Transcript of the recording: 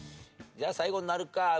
じゃ最後になるか。